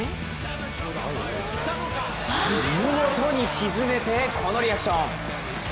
見事に沈めて、このリアクション。